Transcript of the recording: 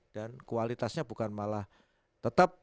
dan kualitasnya bukan malah tetap